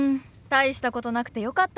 大したことなくてよかったね。